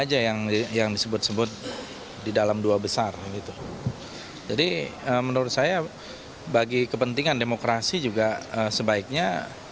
jadi menurut saya bagi kepentingan demokrasi juga sebaiknya